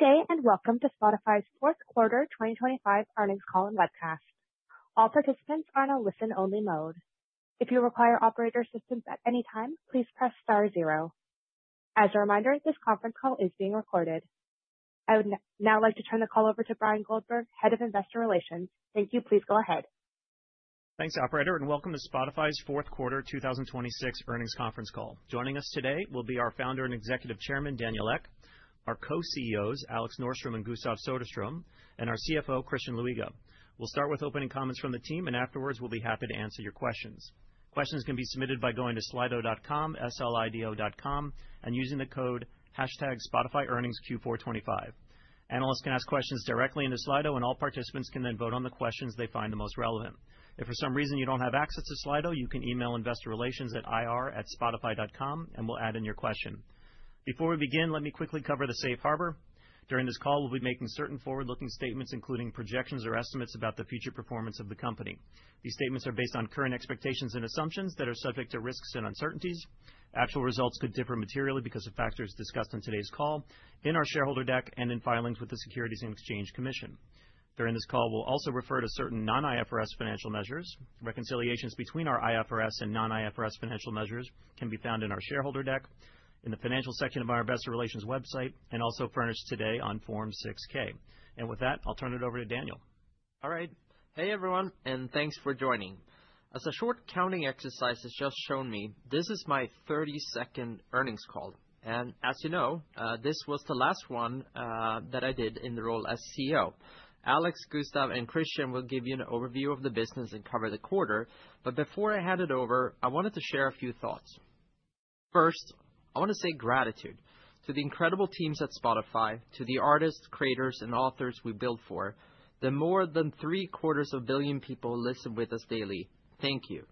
Good day, and Welcome to Spotify's Fourth Quarter 2025 Earnings Call and Webcast. All participants are in a listen-only mode. If you require operator assistance at any time, please press star zero. As a reminder, this conference call is being recorded. I would now like to turn the call over to Bryan Goldberg, Head of Investor Relations. Thank you. Please go ahead. Thanks, operator, and welcome to Spotify's fourth quarter 2026 earnings conference call. Joining us today will be our founder and Executive Chairman, Daniel Ek; our Co-CEOs, Alex Norström and Gustav Söderström; and our CFO, Christian Luiga. We'll start with opening comments from the team, and afterwards, we'll be happy to answer your questions. Questions can be submitted by going to slido.com, S-L-I-D-O.com, and using the code hashtag SpotifyEarningsQ425. Analysts can ask questions directly into Slido, and all participants can then vote on the questions they find the most relevant. If for some reason you don't have access to Slido, you can email Investor Relations at ir@spotify.com, and we'll add in your question. Before we begin, let me quickly cover the Safe Harbor. During this call, we'll be making certain forward-looking statements, including projections or estimates about the future performance of the company. These statements are based on current expectations and assumptions that are subject to risks and uncertainties. Actual results could differ materially because of factors discussed in today's call, in our shareholder deck, and in filings with the Securities and Exchange Commission. During this call, we'll also refer to certain non-IFRS financial measures. Reconciliations between our IFRS and non-IFRS financial measures can be found in our shareholder deck, in the financial section of our investor relations website, and also furnished today on Form 6-K. With that, I'll turn it over to Daniel. All right. Hey, everyone, and thanks for joining. As a short counting exercise has just shown me, this is my 32nd earnings call, and as you know, this was the last one that I did in the role as CEO. Alex, Gustav, and Christian will give you an overview of the business and cover the quarter, but before I hand it over, I wanted to share a few thoughts. First, I want to say gratitude to the incredible teams at Spotify, to the artists, creators, and authors we build for, the more than three-quarters of a billion people listen with us daily. Thank you,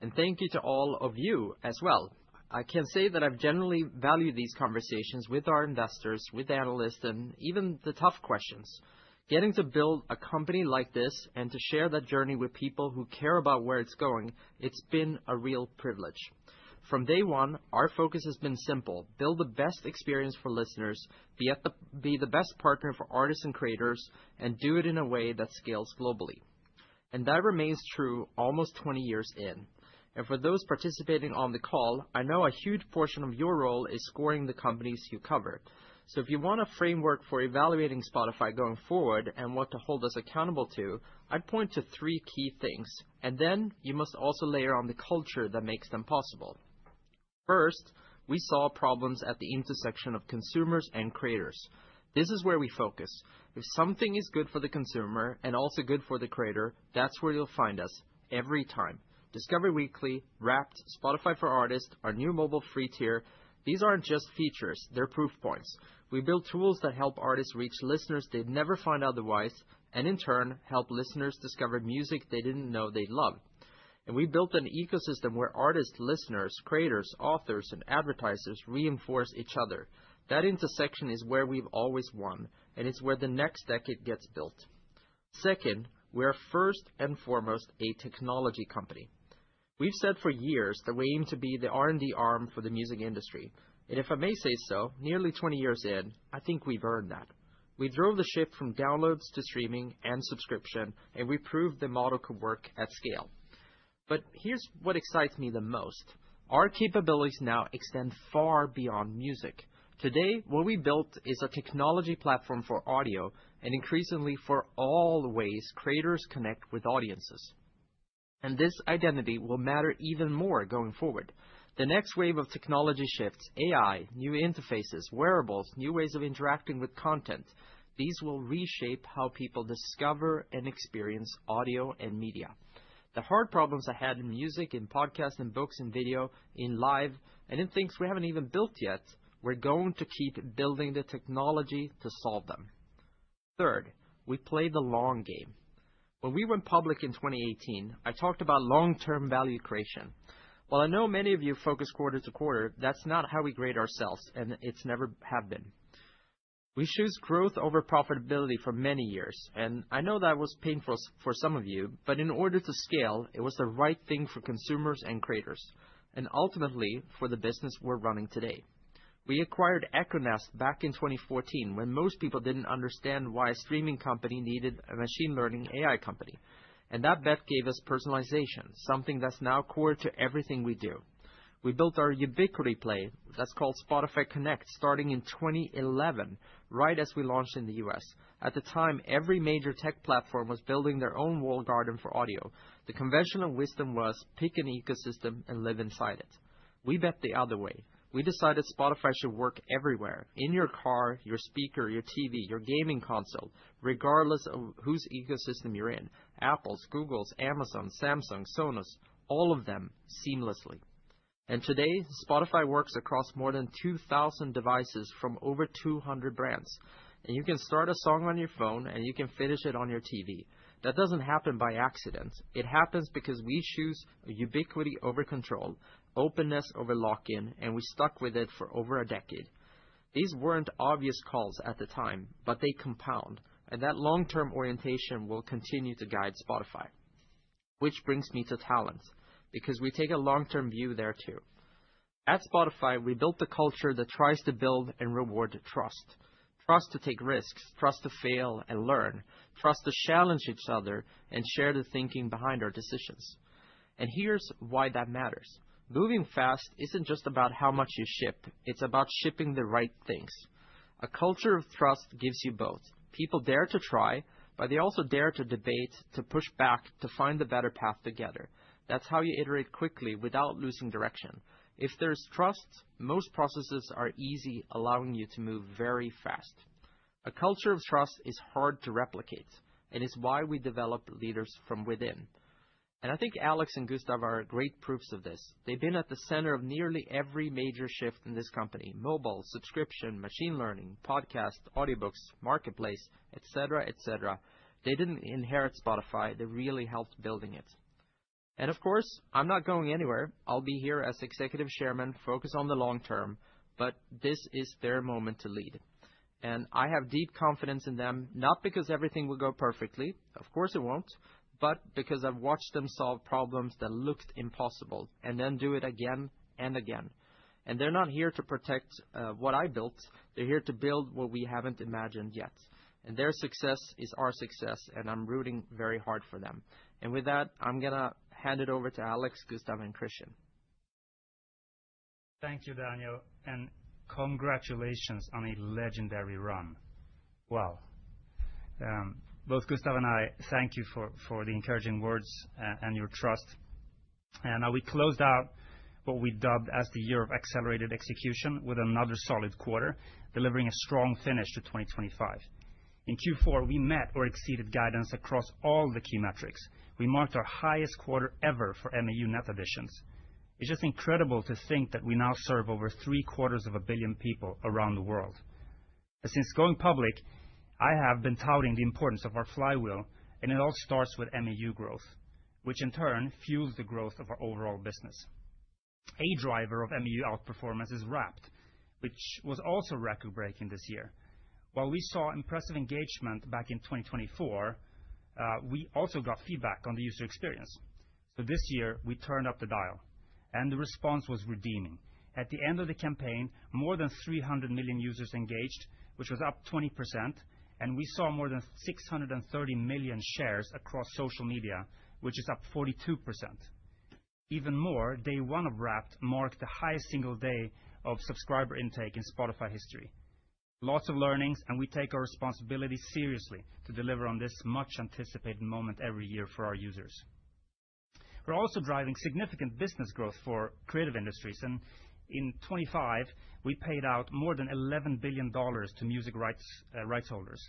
and thank you to all of you as well. I can say that I've generally valued these conversations with our investors, with analysts, and even the tough questions. Getting to build a company like this and to share that journey with people who care about where it's going, it's been a real privilege. From day one, our focus has been simple: build the best experience for listeners, be the best partner for artists and creators, and do it in a way that scales globally. That remains true almost 20 years in. For those participating on the call, I know a huge portion of your role is scoring the companies you cover. If you want a framework for evaluating Spotify going forward and what to hold us accountable to, I'd point to three key things, and then you must also layer on the culture that makes them possible. First, we solve problems at the intersection of consumers and creators. This is where we focus. If something is good for the consumer and also good for the creator, that's where you'll find us every time. Discover Weekly, Wrapped, Spotify for Artists, our new mobile Free tier, these aren't just features, they're proof points. We build tools that help artists reach listeners they'd never find otherwise, and in turn, help listeners discover music they didn't know they'd love. And we built an ecosystem where artists, listeners, creators, authors, and advertisers reinforce each other. That intersection is where we've always won, and it's where the next decade gets built. Second, we are first and foremost a technology company. We've said for years that we aim to be the R&D arm for the music industry. And if I may say so, nearly 20 years in, I think we've earned that. We drove the ship from downloads to streaming and subscription, and we proved the model could work at scale. But here's what excites me the most. Our capabilities now extend far beyond music. Today, what we built is a technology platform for audio and increasingly for all the ways creators connect with audiences, and this identity will matter even more going forward. The next wave of technology shifts, AI, new interfaces, wearables, new ways of interacting with content, these will reshape how people discover and experience audio and media. The hard problems ahead in music and podcast and books and video, in live, and in things we haven't even built yet, we're going to keep building the technology to solve them. Third, we play the long game. When we went public in 2018, I talked about long-term value creation. While I know many of you focus quarter to quarter, that's not how we grade ourselves, and it's never have been. We choose growth over profitability for many years, and I know that was painful for some of you, but in order to scale, it was the right thing for consumers and creators, and ultimately, for the business we're running today. We acquired The Echo Nest back in 2014, when most people didn't understand why a streaming company needed a machine learning AI company. That bet gave us personalization, something that's now core to everything we do. We built our ubiquity play, that's called Spotify Connect, starting in 2011, right as we launched in the U.S. At the time, every major tech platform was building their own walled garden for audio. The conventional wisdom was: Pick an ecosystem and live inside it. We bet the other way. We decided Spotify should work everywhere, in your car, your speaker, your TV, your gaming console, regardless of whose ecosystem you're in, Apple's, Google's, Amazon, Samsung, Sonos, all of them seamlessly. And today, Spotify works across more than 2,000 devices from over 200 brands, and you can start a song on your phone, and you can finish it on your TV. That doesn't happen by accident. It happens because we choose ubiquity over control, openness over lock-in, and we stuck with it for over a decade. These weren't obvious calls at the time, but they compound, and that long-term orientation will continue to guide Spotify. Which brings me to talent, because we take a long-term view there, too. At Spotify, we built a culture that tries to build and reward trust. Trust to take risks, trust to fail and learn, trust to challenge each other and share the thinking behind our decisions. Here's why that matters. Moving fast isn't just about how much you ship, it's about shipping the right things. A culture of trust gives you both. People dare to try, but they also dare to debate, to push back, to find a better path together. That's how you iterate quickly without losing direction. If there's trust, most processes are easy, allowing you to move very fast. A culture of trust is hard to replicate, and it's why we develop leaders from within. I think Alex and Gustav are great proofs of this. They've been at the center of nearly every major shift in this company: mobile, subscription, machine learning, podcast, audiobooks, marketplace, et cetera, et cetera. They didn't inherit Spotify. They really helped building it. Of course, I'm not going anywhere. I'll be here as Executive Chairman, focused on the long term, but this is their moment to lead. I have deep confidence in them, not because everything will go perfectly, of course it won't, but because I've watched them solve problems that looked impossible, and then do it again and again. They're not here to protect what I built. They're here to build what we haven't imagined yet. Their success is our success, and I'm rooting very hard for them. With that, I'm going to hand it over to Alex, Gustav, and Christian. Thank you, Daniel, and congratulations on a legendary run. Wow! Both Gustav and I thank you for the encouraging words and your trust. We closed out what we dubbed as the year of accelerated execution with another solid quarter, delivering a strong finish to 2025. In Q4, we met or exceeded guidance across all the key metrics. We marked our highest quarter ever for MAU net additions. It's just incredible to think that we now serve over three-quarters of a billion people around the world. Since going public, I have been touting the importance of our flywheel, and it all starts with MAU growth, which in turn fuels the growth of our overall business. A driver of MAU outperformance is Wrapped, which was also record-breaking this year. While we saw impressive engagement back in 2024, we also got feedback on the user experience. So this year, we turned up the dial, and the response was resounding. At the end of the campaign, more than 300 million users engaged, which was up 20%, and we saw more than 630 million shares across social media, which is up 42%. Even more, day one of Wrapped marked the highest single day of subscriber intake in Spotify history. Lots of learnings, and we take our responsibility seriously to deliver on this much-anticipated moment every year for our users. We're also driving significant business growth for creative industries, and in 2025, we paid out more than $11 billion to music rights holders.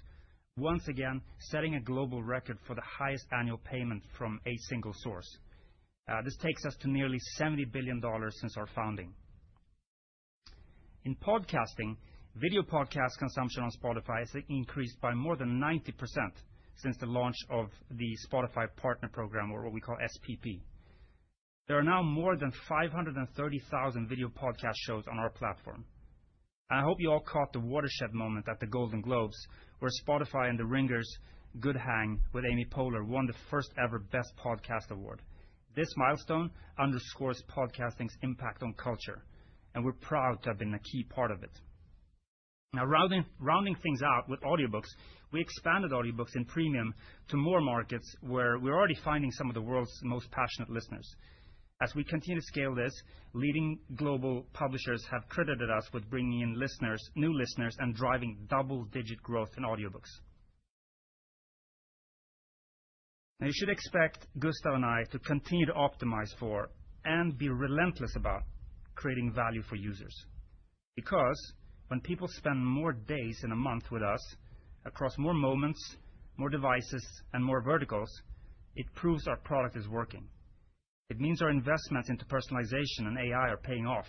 Once again, setting a global record for the highest annual payment from a single source. This takes us to nearly $70 billion since our founding. In podcasting, video podcast consumption on Spotify has increased by more than 90% since the launch of the Spotify Partner Program, or what we call SPP. There are now more than 530,000 video podcast shows on our platform. I hope you all caught the watershed moment at the Golden Globes, where Spotify and The Ringer's Good Hang with Amy Poehler won the first-ever Best Podcast award. This milestone underscores podcasting's impact on culture, and we're proud to have been a key part of it. Now, rounding things out with audiobooks, we expanded audiobooks in Premium to more markets, where we're already finding some of the world's most passionate listeners. As we continue to scale this, leading global publishers have credited us with bringing in listeners, new listeners, and driving double-digit growth in audiobooks. Now, you should expect Gustav and I to continue to optimize for and be relentless about creating value for users. Because when people spend more days in a month with us across more moments, more devices, and more verticals, it proves our product is working. It means our investments into personalization and AI are paying off.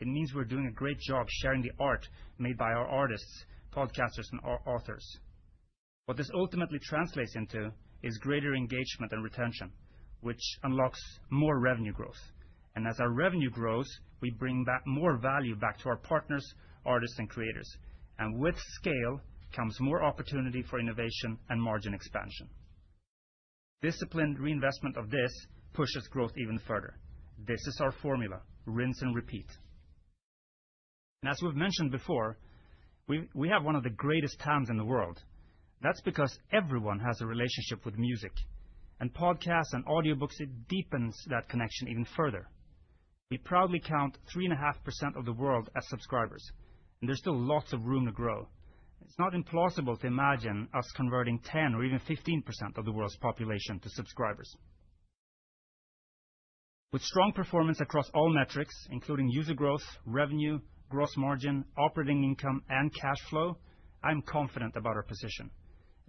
It means we're doing a great job sharing the art made by our artists, podcasters, and our authors. What this ultimately translates into is greater engagement and retention, which unlocks more revenue growth. And as our revenue grows, we bring back more value back to our partners, artists, and creators. And with scale, comes more opportunity for innovation and margin expansion. Disciplined reinvestment of this pushes growth even further. This is our formula. Rinse and repeat. As we've mentioned before, we have one of the greatest talents in the world. That's because everyone has a relationship with music, and podcasts and audiobooks, it deepens that connection even further. We proudly count 3.5% of the world as subscribers, and there's still lots of room to grow. It's not implausible to imagine us converting 10% or even 15% of the world's population to subscribers. With strong performance across all metrics, including user growth, revenue, gross margin, operating income, and cash flow, I'm confident about our position,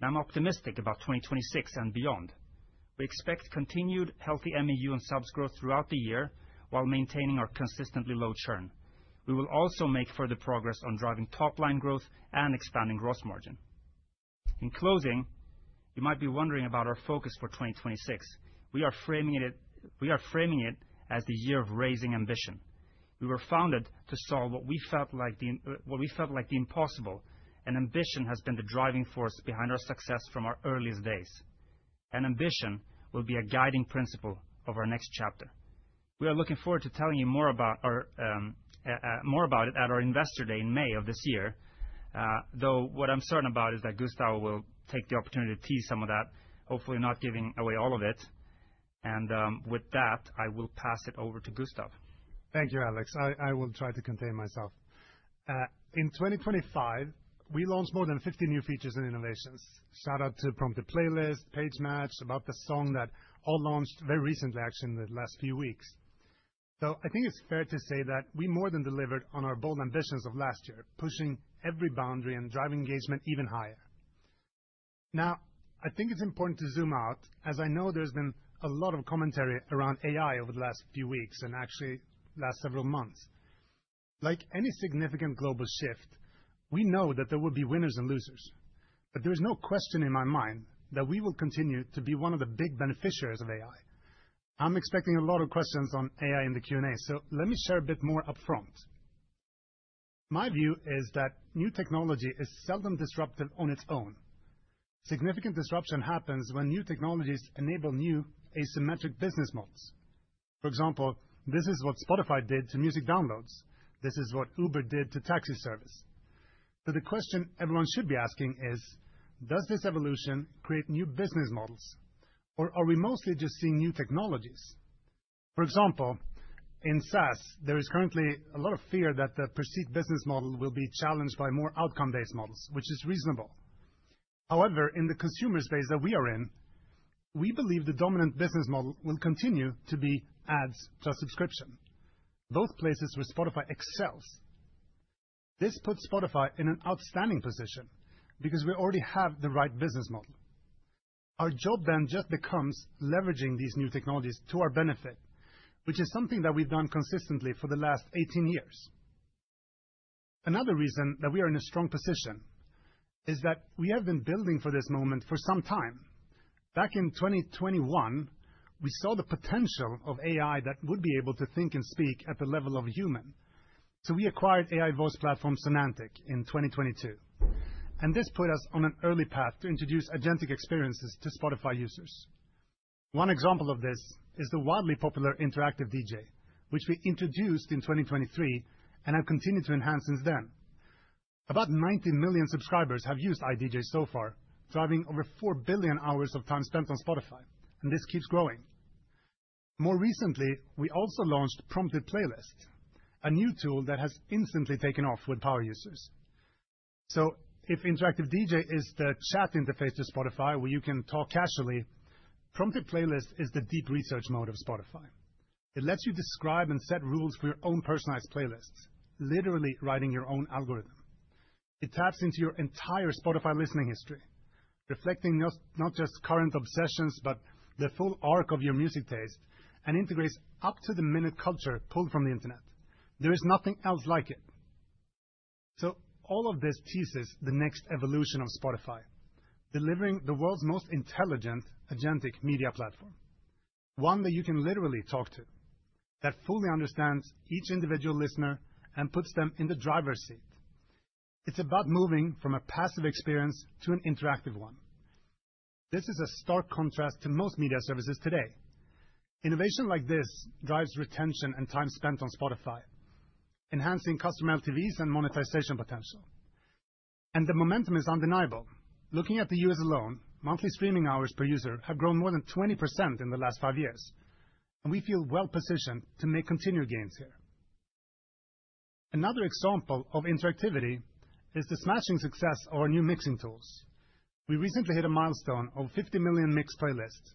and I'm optimistic about 2026 and beyond. We expect continued healthy MAU and subs growth throughout the year, while maintaining our consistently low churn. We will also make further progress on driving top-line growth and expanding gross margin. In closing, you might be wondering about our focus for 2026. We are framing it, we are framing it as the year of raising ambition. We were founded to solve what we felt like the, what we felt like the impossible, and ambition has been the driving force behind our success from our earliest days. And ambition will be a guiding principle of our next chapter. We are looking forward to telling you more about our, more about it at our Investor Day in May of this year. Though, what I'm certain about is that Gustav will take the opportunity to tease some of that, hopefully not giving away all of it. And, with that, I will pass it over to Gustav. Thank you, Alex. I will try to contain myself. In 2025, we launched more than 50 new features and innovations. Shout out to Prompted the Playlist, Page Match, About the Song, that all launched very recently, actually, in the last few weeks. So I think it's fair to say that we more than delivered on our bold ambitions of last year, pushing every boundary and driving engagement even higher. Now, I think it's important to zoom out, as I know there's been a lot of commentary around AI over the last few weeks, and actually last several months. Like any significant global shift, we know that there will be winners and losers, but there is no question in my mind that we will continue to be one of the big beneficiaries of AI. I'm expecting a lot of questions on AI in the Q&A, so let me share a bit more upfront. My view is that new technology is seldom disruptive on its own. Significant disruption happens when new technologies enable new asymmetric business models. For example, this is what Spotify did to music downloads. This is what Uber did to taxi service. So the question everyone should be asking is: Does this evolution create new business models, or are we mostly just seeing new technologies? For example, in SaaS, there is currently a lot of fear that the perceived business model will be challenged by more outcome-based models, which is reasonable. However, in the consumer space that we are in, we believe the dominant business model will continue to be ads plus subscription, both places where Spotify excels. This puts Spotify in an outstanding position because we already have the right business model. Our job then just becomes leveraging these new technologies to our benefit, which is something that we've done consistently for the last 18 years. Another reason that we are in a strong position is that we have been building for this moment for some time. Back in 2021, we saw the potential of AI that would be able to think and speak at the level of a human. So we acquired AI voice platform, Sonantic, in 2022, and this put us on an early path to introduce agentic experiences to Spotify users. One example of this is the widely popular interactive DJ, which we introduced in 2023 and have continued to enhance since then. About 90 million subscribers have used AI DJ so far, driving over 4 billion hours of time spent on Spotify, and this keeps growing. More recently, we also launched Prompted Playlist, a new tool that has instantly taken off with power users. So if Interactive DJ is the chat interface to Spotify, where you can talk casually, Prompted Playlist is the deep research mode of Spotify. It lets you describe and set rules for your own personalized playlists, literally writing your own algorithm. It taps into your entire Spotify listening history, reflecting not just current obsessions, but the full arc of your music taste, and integrates up-to-the-minute culture pulled from the internet. There is nothing else like it. All of this teases the next evolution of Spotify, delivering the world's most intelligent, agentic media platform, one that you can literally talk to, that fully understands each individual listener and puts them in the driver's seat. It's about moving from a passive experience to an interactive one. This is a stark contrast to most media services today. Innovation like this drives retention and time spent on Spotify, enhancing customer LTVs and monetization potential. And the momentum is undeniable. Looking at the U.S. alone, monthly streaming hours per user have grown more than 20% in the last five years, and we feel well positioned to make continued gains here. Another example of interactivity is the smashing success of our new mixing tools. We recently hit a milestone of 50 million mixed playlists,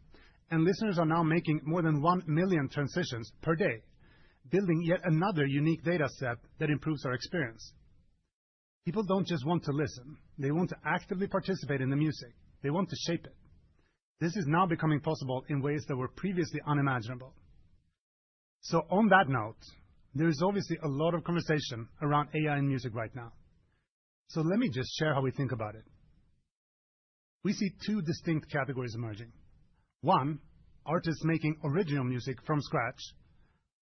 and listeners are now making more than 1 million transitions per day, building yet another unique data set that improves our experience. People don't just want to listen. They want to actively participate in the music. They want to shape it. This is now becoming possible in ways that were previously unimaginable. So on that note, there is obviously a lot of conversation around AI and music right now. So let me just share how we think about it. We see two distinct categories emerging. One, artists making original music from scratch,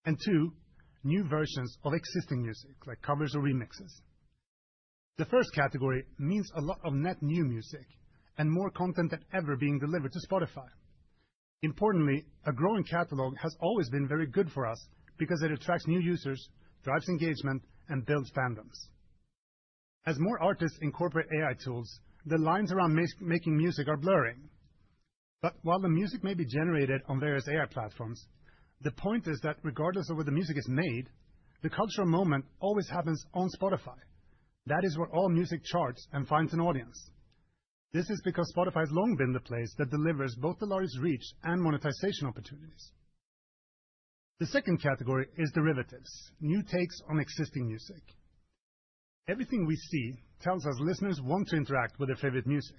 and two, new versions of existing music, like covers or remixes. The first category means a lot of net new music and more content than ever being delivered to Spotify. Importantly, a growing catalog has always been very good for us because it attracts new users, drives engagement, and builds fandoms. As more artists incorporate AI tools, the lines around making music are blurring. But while the music may be generated on various AI platforms, the point is that regardless of where the music is made, the cultural moment always happens on Spotify. That is where all music charts and finds an audience. This is because Spotify has long been the place that delivers both the largest reach and monetization opportunities. The second category is derivatives, new takes on existing music. Everything we see tells us listeners want to interact with their favorite music,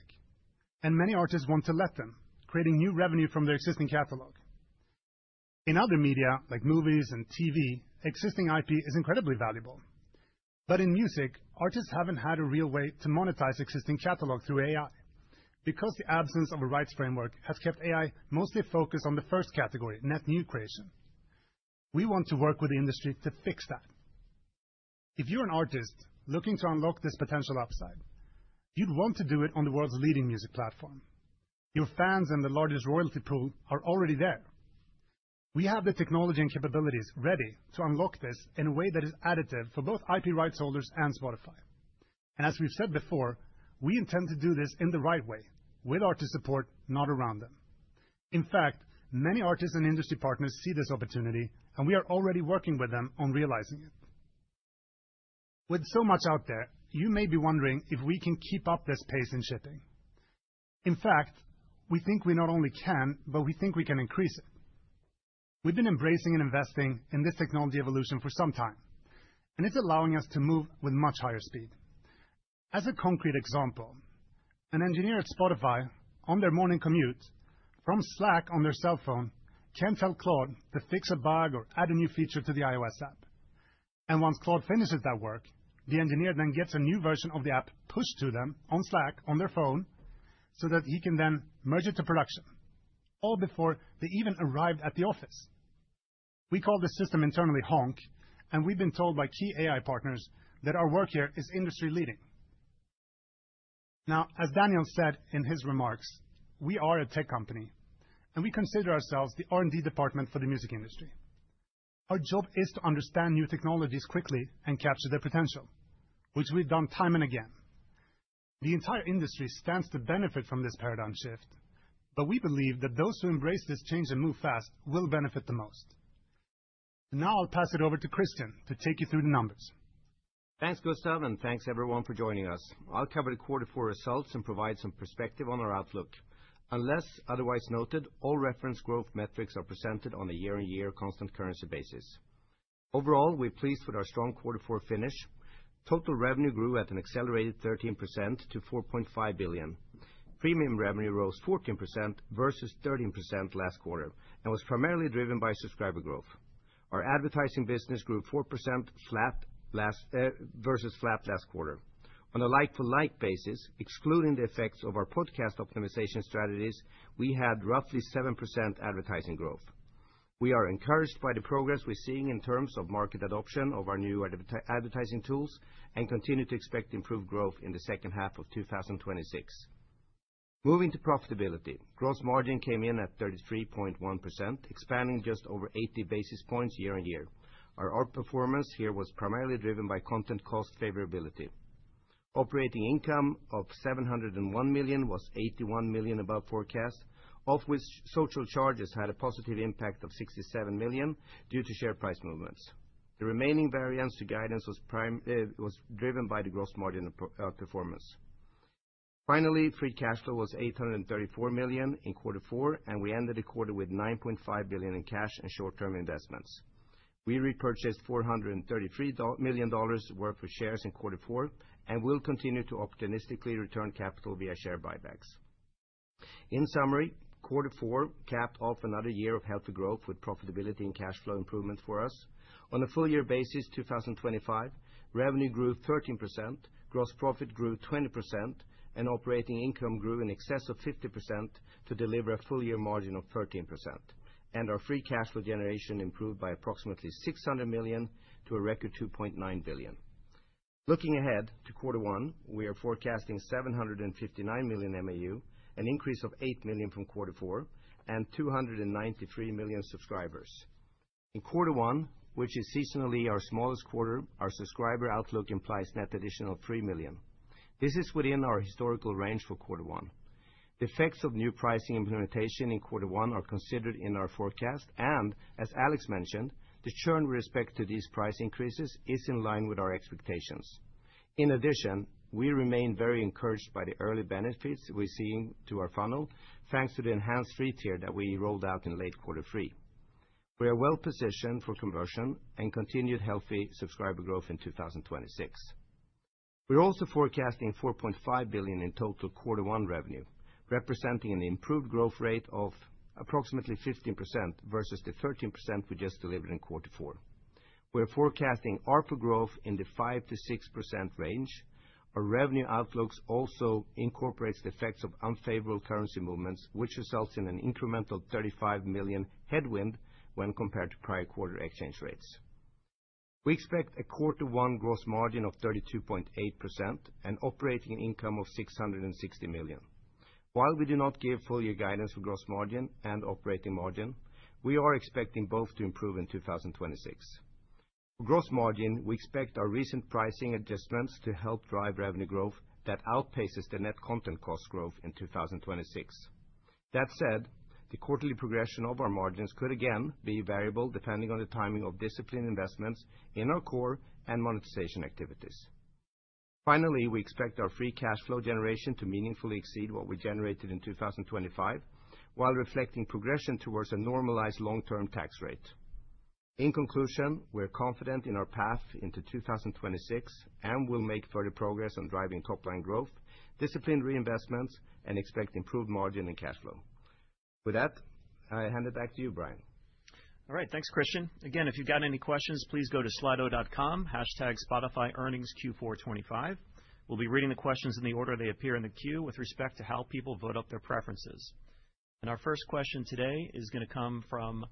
and many artists want to let them, creating new revenue from their existing catalog. In other media, like movies and TV, existing IP is incredibly valuable. But in music, artists haven't had a real way to monetize existing catalog through AI. Because the absence of a rights framework has kept AI mostly focused on the first category, net new creation. We want to work with the industry to fix that. If you're an artist looking to unlock this potential upside, you'd want to do it on the world's leading music platform. Your fans and the largest royalty pool are already there. We have the technology and capabilities ready to unlock this in a way that is additive for both IP rights holders and Spotify. And as we've said before, we intend to do this in the right way, with artist support, not around them. In fact, many artists and industry partners see this opportunity, and we are already working with them on realizing it. With so much out there, you may be wondering if we can keep up this pace in shipping. In fact, we think we not only can, but we think we can increase it. We've been embracing and investing in this technology evolution for some time, and it's allowing us to move with much higher speed. As a concrete example, an engineer at Spotify on their morning commute from Slack on their cell phone, can tell Claude to fix a bug or add a new feature to the iOS app. And once Claude finishes that work, the engineer then gets a new version of the app, pushed to them on Slack, on their phone, so that he can then merge it to production, all before they even arrive at the office. We call this system internally Honk, and we've been told by key AI partners that our work here is industry-leading. Now, as Daniel said in his remarks, we are a tech company, and we consider ourselves the R&D department for the music industry. Our job is to understand new technologies quickly and capture their potential, which we've done time and again. The entire industry stands to benefit from this paradigm shift, but we believe that those who embrace this change and move fast will benefit the most. Now I'll pass it over to Christian to take you through the numbers. Thanks, Gustav, and thanks, everyone, for joining us. I'll cover the quarter four results and provide some perspective on our outlook. Unless otherwise noted, all reference growth metrics are presented on a year-on-year constant currency basis. Overall, we're pleased with our strong quarter four finish. Total revenue grew at an accelerated 13% to 4.5 billion. Premium revenue rose 14% versus 13% last quarter, and was primarily driven by subscriber growth. Our advertising business grew 4%, flat last versus flat last quarter. On a like-for-like basis, excluding the effects of our podcast optimization strategies, we had roughly 7% advertising growth. We are encouraged by the progress we're seeing in terms of market adoption of our new advertising tools, and continue to expect improved growth in the second half of 2026. Moving to profitability, gross margin came in at 33.1%, expanding just over 80 basis points year-on-year. Our outperformance here was primarily driven by content cost favorability. Operating income of 701 million was 81 million above forecast, of which social charges had a positive impact of 67 million due to share price movements. The remaining variance to guidance was prime, was driven by the gross margin outperformance. Finally, free cash flow was 834 million in quarter four, and we ended the quarter with 9.5 billion in cash and short-term investments. We repurchased $433 million dollars worth of shares in quarter four, and will continue to opportunistically return capital via share buybacks. In summary, quarter four capped off another year of healthy growth with profitability and cash flow improvement for us. On a full-year basis, 2025, revenue grew 13%, gross profit grew 20%, and operating income grew in excess of 50% to deliver a full-year margin of 13%. Our free cash flow generation improved by approximately 600 million to a record 2.9 billion. Looking ahead to quarter one, we are forecasting 759 million MAU, an increase of 8 million from quarter four, and 293 million subscribers. In quarter one, which is seasonally our smallest quarter, our subscriber outlook implies net addition of 3 million. This is within our historical range for quarter one. The effects of new pricing implementation in quarter one are considered in our forecast, and as Alex mentioned, the churn with respect to these price increases is in line with our expectations. In addition, we remain very encouraged by the early benefits we're seeing to our funnel, thanks to the enhanced free tier that we rolled out in late quarter three. We are well-positioned for conversion and continued healthy subscriber growth in 2026. We're also forecasting 4.5 billion in total quarter one revenue, representing an improved growth rate of approximately 15% versus the 13% we just delivered in quarter four. We're forecasting ARPA growth in the 5%-6% range. Our revenue outlooks also incorporates the effects of unfavorable currency movements, which results in an incremental 35 million headwind when compared to prior quarter exchange rates. We expect a quarter one gross margin of 32.8% and operating income of 660 million. While we do not give full year guidance for gross margin and operating margin, we are expecting both to improve in 2026. For gross margin, we expect our recent pricing adjustments to help drive revenue growth that outpaces the net content cost growth in 2026. That said, the quarterly progression of our margins could again be variable, depending on the timing of disciplined investments in our core and monetization activities. Finally, we expect our free cash flow generation to meaningfully exceed what we generated in 2025, while reflecting progression towards a normalized long-term tax rate. In conclusion, we are confident in our path into 2026, and we'll make further progress on driving top-line growth, disciplined reinvestments, and expect improved margin and cash flow. With that, I hand it back to you, Bryan. All right. Thanks, Christian. Again, if you've got any questions, please go to Slido.com, #SpotifyEarningsQ425. We'll be reading the questions in the order they appear in the queue with respect to how people vote up their preferences. Our first question today is going to come from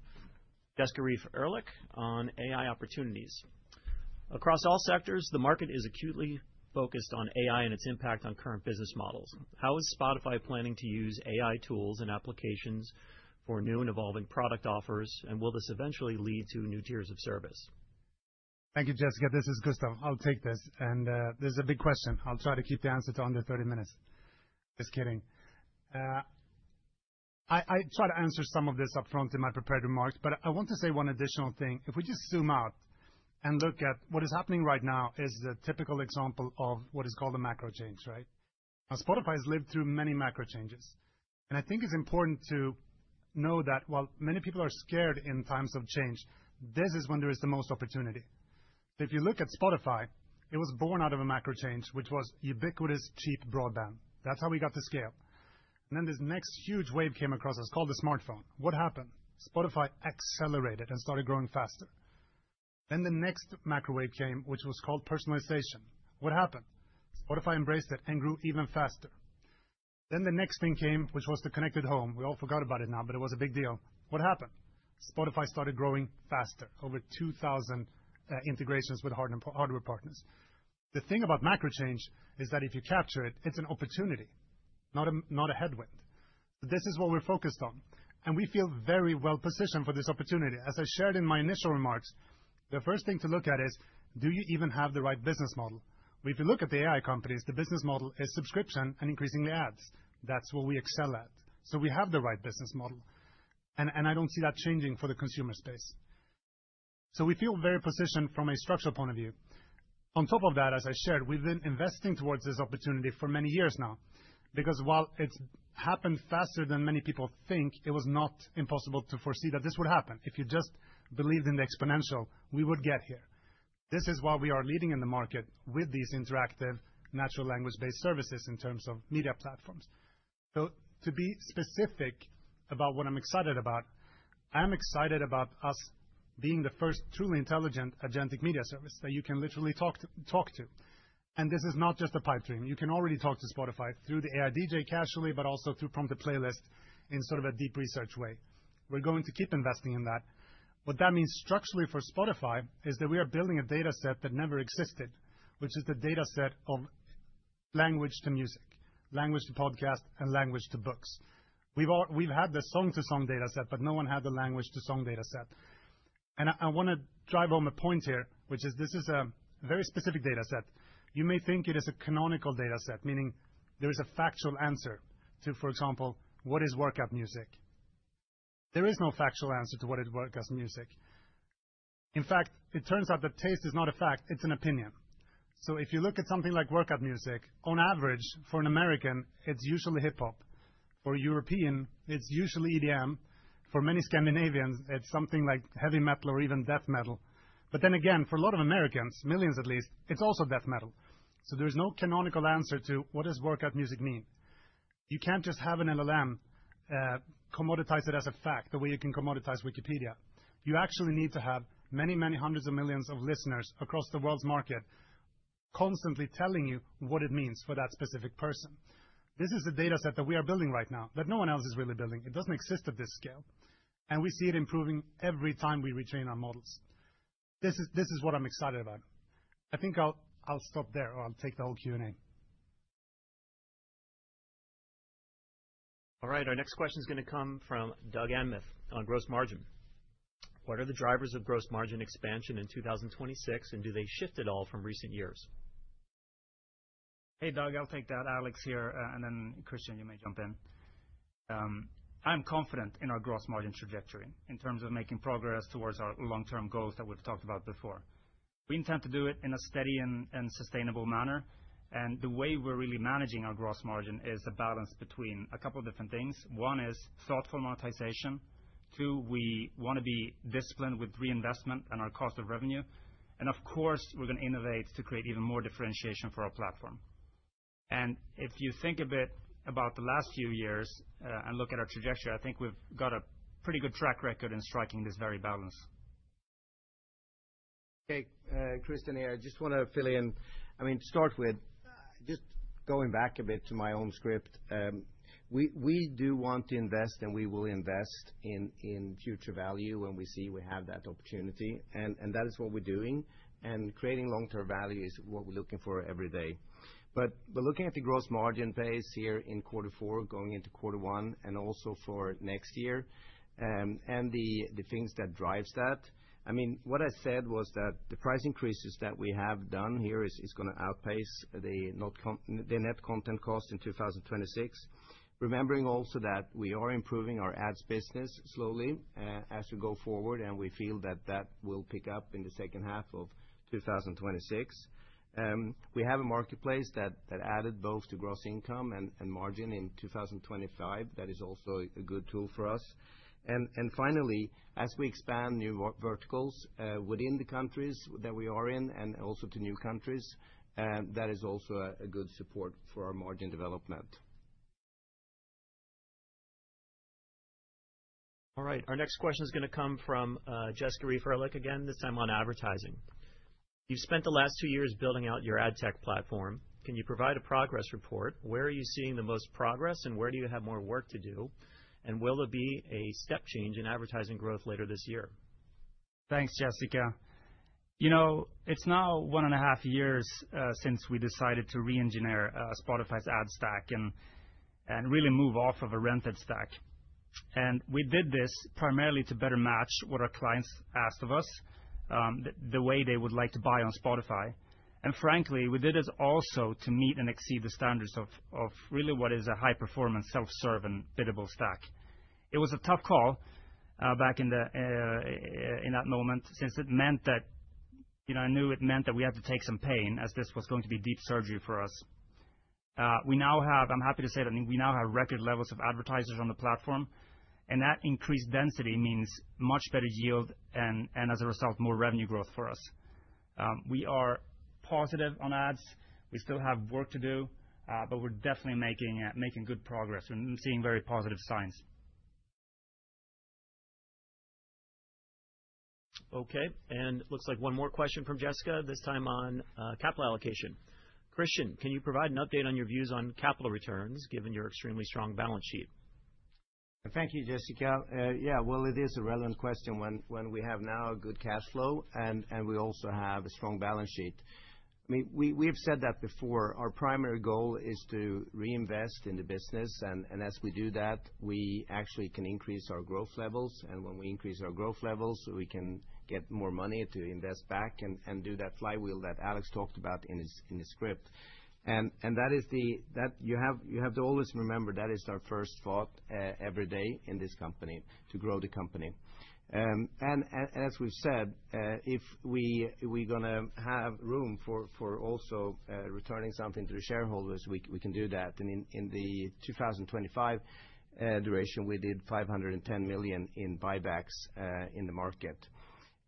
Jessica Reif Ehrlich on AI opportunities. Across all sectors, the market is acutely focused on AI and its impact on current business models. How is Spotify planning to use AI tools and applications for new and evolving product offers, and will this eventually lead to new tiers of service? Thank you, Jessica. This is Gustav. I'll take this, and this is a big question. I'll try to keep the answer to under 30 minutes. Just kidding. I tried to answer some of this upfront in my prepared remarks, but I want to say one additional thing. If we just zoom out and look at what is happening right now is the typical example of what is called a macro change, right? Now, Spotify has lived through many macro changes, and I think it's important to know that while many people are scared in times of change, this is when there is the most opportunity. If you look at Spotify, it was born out of a macro change, which was ubiquitous, cheap broadband. That's how we got the scale. And then this next huge wave came across us, called the smartphone. What happened? Spotify accelerated and started growing faster. Then the next macro wave came, which was called personalization. What happened? Spotify embraced it and grew even faster. Then the next thing came, which was the connected home. We all forgot about it now, but it was a big deal. What happened? Spotify started growing faster, over 2,000 integrations with hardware partners. The thing about macro change is that if you capture it, it's an opportunity, not a headwind. This is what we're focused on, and we feel very well positioned for this opportunity. As I shared in my initial remarks, the first thing to look at is: Do you even have the right business model? If you look at the AI companies, the business model is subscription and increasingly ads. That's what we excel at. So we have the right business model, and I don't see that changing for the consumer space. So we feel very positioned from a structural point of view. On top of that, as I shared, we've been investing towards this opportunity for many years now, because while it's happened faster than many people think, it was not impossible to foresee that this would happen. If you just believed in the exponential, we would get here. This is why we are leading in the market with these interactive, natural language-based services in terms of media platforms. So to be specific about what I'm excited about, I'm excited about us being the first truly intelligent agentic media service that you can literally talk to, talk to. And this is not just a pipe dream. You can already talk to Spotify through the AI DJ casually, but also through Prompt the Playlist in sort of a deep research way. We're going to keep investing in that. What that means structurally for Spotify is that we are building a data set that never existed, which is the data set of language to music, language to podcast, and language to books. We've had the song-to-song data set, but no one had the language-to-song data set. And I want to drive home a point here, which is this is a very specific data set. You may think it is a canonical data set, meaning there is a factual answer to, for example, "What is workout music?" There is no factual answer to what is workout music. In fact, it turns out that taste is not a fact, it's an opinion. So if you look at something like workout music, on average, for an American, it's usually hip hop. For a European, it's usually EDM. For many Scandinavians, it's something like heavy metal or even death metal. But then again, for a lot of Americans, millions at least, it's also death metal. So there is no canonical answer to what does workout music mean? You can't just have an LLM commoditize it as a fact, the way you can commoditize Wikipedia. You actually need to have many, many hundreds of millions of listeners across the world's market constantly telling you what it means for that specific person. This is the data set that we are building right now, that no one else is really building. It doesn't exist at this scale, and we see it improving every time we retrain our models. This is, this is what I'm excited about. I think I'll, I'll stop there, or I'll take the whole Q&A. All right, our next question is going to come from Doug Anmuth on Gross Margin. What are the drivers of Gross Margin expansion in 2026, and do they shift at all from recent years? Hey, Doug, I'll take that. Alex here, and then Christian, you may jump in. I'm confident in our Gross Margin trajectory in terms of making progress towards our long-term goals that we've talked about before. We intend to do it in a steady and sustainable manner, and the way we're really managing our Gross Margin is a balance between a couple of different things. One is thoughtful monetization. Two, we want to be disciplined with reinvestment and our cost of revenue. And of course, we're going to innovate to create even more differentiation for our platform. And if you think a bit about the last few years, and look at our trajectory, I think we've got a pretty good track record in striking this very balance. Hey, Christian here. I just want to fill in. I mean, to start with, just going back a bit to my own script, we, we do want to invest, and we will invest in, in future value when we see we have that opportunity, and, and that is what we're doing. And creating long-term value is what we're looking for every day. But, but looking at the gross margin base here in quarter four, going into quarter one, and also for next year, and the, the things that drives that, I mean, what I said was that the price increases that we have done here is, is going to outpace the net content cost in 2026. Remembering also that we are improving our ads business slowly as we go forward, and we feel that that will pick up in the second half of 2026. We have a marketplace that added both to gross income and margin in 2025. That is also a good tool for us. And finally, as we expand new verticals within the countries that we are in and also to new countries, that is also a good support for our margin development. All right, our next question is going to come from Jessica Reif Ehrlich again, this time on advertising. You've spent the last two years building out your ad tech platform. Can you provide a progress report? Where are you seeing the most progress, and where do you have more work to do? And will there be a step change in advertising growth later this year? Thanks, Jessica. You know, it's now one an a half years since we decided to re-engineer Spotify's ad stack and really move off of a rented stack. And we did this primarily to better match what our clients asked of us, the way they would like to buy on Spotify. And frankly, we did this also to meet and exceed the standards of really what is a high-performance, self-serve, and biddable stack. It was a tough call back in that moment, since it meant that... You know, I knew it meant that we had to take some pain, as this was going to be deep surgery for us. We now have. I'm happy to say that, I mean, we now have record levels of advertisers on the platform, and that increased density means much better yield, and, and as a result, more revenue growth for us. We are positive on ads. We still have work to do, but we're definitely making good progress and seeing very positive signs. Okay, and looks like one more question from Jessica, this time on, capital allocation. Christian, can you provide an update on your views on capital returns, given your extremely strong balance sheet? Thank you, Jessica. Yeah, well, it is a relevant question when we have now a good cash flow and we also have a strong balance sheet. I mean, we have said that before. Our primary goal is to reinvest in the business, and as we do that, we actually can increase our growth levels, and when we increase our growth levels, we can get more money to invest back and do that flywheel that Alex talked about in his script. That is the. You have to always remember, that is our first thought every day in this company, to grow the company. And as we've said, if we're going to have room for also returning something to the shareholders, we can do that. In 2025 duration, we did 510 million in buybacks in the market.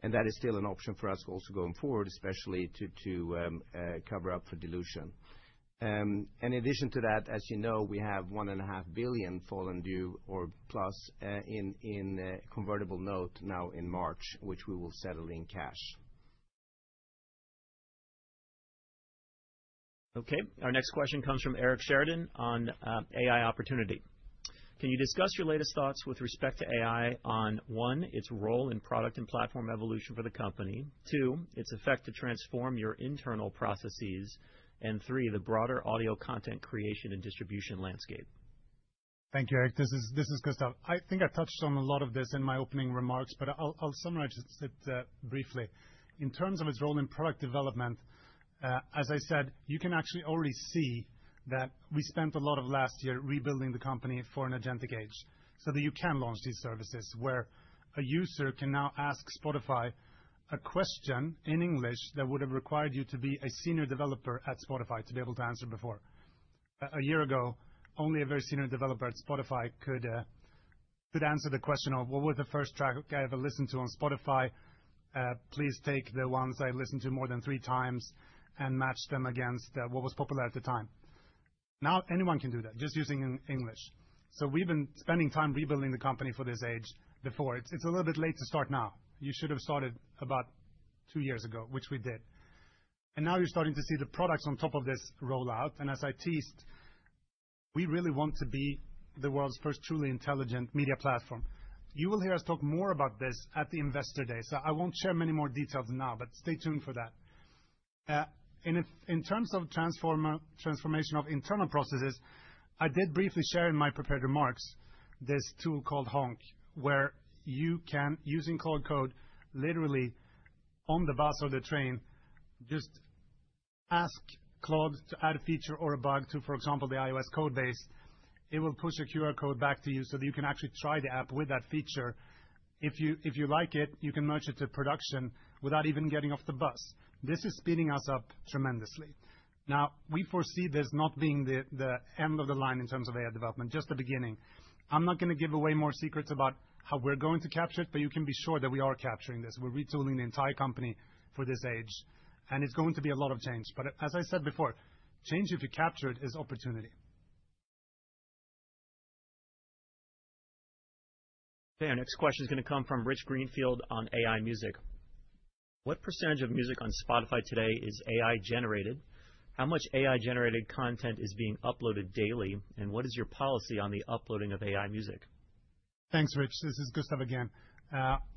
That is still an option for us also going forward, especially to cover up for dilution. In addition to that, as you know, we have 1.5 billion falling due or plus in convertible note now in March, which we will settle in cash. Okay, our next question comes from Eric Sheridan on AI opportunity. Can you discuss your latest thoughts with respect to AI on, one, its role in product and platform evolution for the company; two, its effect to transform your internal processes; and three, the broader audio content creation and distribution landscape? Thank you, Eric. This is, this is Gustav. I think I touched on a lot of this in my opening remarks, but I'll, I'll summarize it briefly. In terms of its role in product development, as I said, you can actually already see that we spent a lot of last year rebuilding the company for an agentic age, so that you can launch these services, where a user can now ask Spotify a question in English that would have required you to be a senior developer at Spotify to be able to answer before. A year ago, only a very senior developer at Spotify could, could answer the question of: "What was the first track I ever listened to on Spotify? Please take the ones I listened to more than three times and match them against, what was popular at the time." Now, anyone can do that, just using English. So we've been spending time rebuilding the company for this age before. It's a little bit late to start now. You should have started about two years ago, which we did. And now you're starting to see the products on top of this roll out, and as I teased, we really want to be the world's first truly intelligent media platform. You will hear us talk more about this at the Investor Day, so I won't share many more details now, but stay tuned for that. In terms of transformation of internal processes, I did briefly share in my prepared remarks this tool called Honk, where you can, using code, literally on the bus or the train, just ask Claude to add a feature or a bug to, for example, the iOS code base. It will push a QR code back to you so that you can actually try the app with that feature. If you like it, you can merge it to production without even getting off the bus. This is speeding us up tremendously. Now, we foresee this not being the end of the line in terms of AI development, just the beginning. I'm not going to give away more secrets about how we're going to capture it, but you can be sure that we are capturing this. We're retooling the entire company for this age, and it's going to be a lot of change. But as I said before, change, if you capture it, is opportunity. Okay, our next question is going to come from Rich Greenfield on AI music. What percentage of music on Spotify today is AI-generated? How much AI-generated content is being uploaded daily, and what is your policy on the uploading of AI music? Thanks, Rich. This is Gustav again.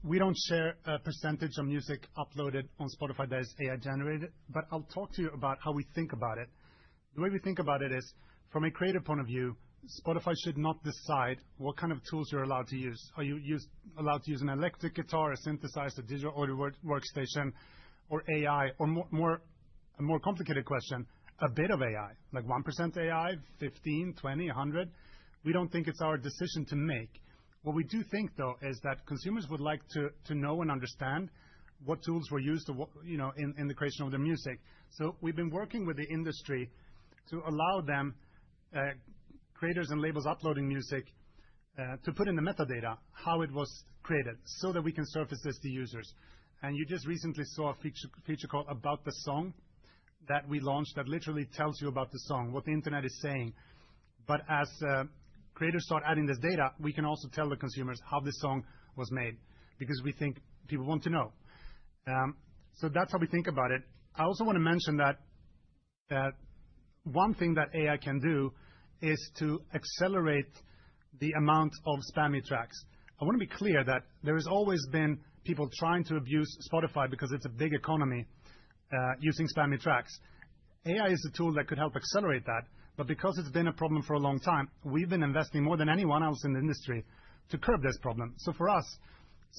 We don't share a percentage of music uploaded on Spotify that is AI-generated, but I'll talk to you about how we think about it. The way we think about it is, from a creative point of view, Spotify should not decide what kind of tools you're allowed to use. Allowed to use an electric guitar, a synthesizer, digital audio workstation, or AI, or a more complicated question, a bit of AI, like 1% AI, 15, 20, 100? We don't think it's our decision to make. What we do think, though, is that consumers would like to know and understand what tools were used, or what, you know, in the creation of their music. So we've been working with the industry to allow them, creators and labels uploading music-... To put in the metadata, how it was created, so that we can surface this to users. And you just recently saw a feature, feature called About the Song that we launched, that literally tells you about the song, what the internet is saying. But as creators start adding this data, we can also tell the consumers how this song was made, because we think people want to know. So that's how we think about it. I also want to mention that one thing that AI can do is to accelerate the amount of spammy tracks. I want to be clear that there has always been people trying to abuse Spotify because it's a big economy, using spammy tracks. AI is a tool that could help accelerate that, but because it's been a problem for a long time, we've been investing more than anyone else in the industry to curb this problem. So for us,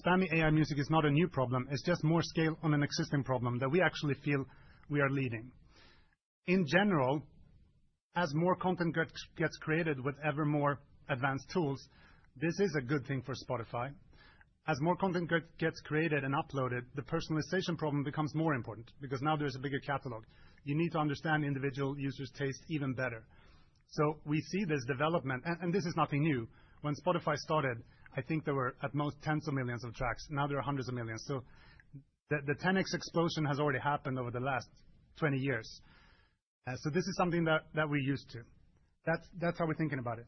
spammy AI music is not a new problem, it's just more scale on an existing problem that we actually feel we are leading. In general, as more content gets created with ever more advanced tools, this is a good thing for Spotify. As more content gets created and uploaded, the personalization problem becomes more important, because now there's a bigger catalog. You need to understand individual users' taste even better. So we see this development, and this is nothing new. When Spotify started, I think there were, at most, tens of millions of tracks. Now there are hundreds of millions. So the 10x explosion has already happened over the last 20 years. So this is something that we're used to. That's how we're thinking about it.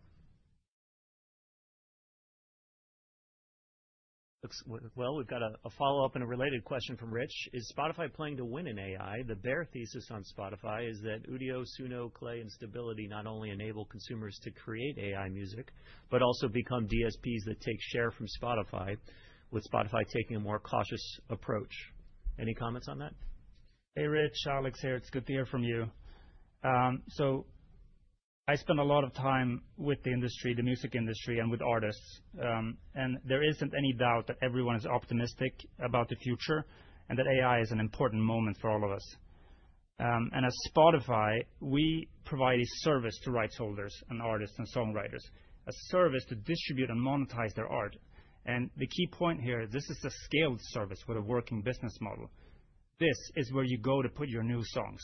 Looks like, well, we've got a follow-up and a related question from Rich. Is Spotify planning to win in AI? The bear thesis on Spotify is that Udio, Suno, Klay, and Stability not only enable consumers to create AI music, but also become DSPs that take share from Spotify, with Spotify taking a more cautious approach. Any comments on that? Hey, Rich, Alex here. It's good to hear from you. So I spend a lot of time with the industry, the music industry, and with artists. And there isn't any doubt that everyone is optimistic about the future, and that AI is an important moment for all of us. And as Spotify, we provide a service to rights holders and artists and songwriters, a service to distribute and monetize their art. And the key point here, this is a scaled service with a working business model. This is where you go to put your new songs,